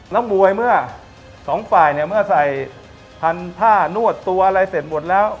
นักมวยเมื่อสองฝ่ายเนี่ยเมื่อใส่พันผ้านวดตัวอะไรเสร็จหมดแล้ว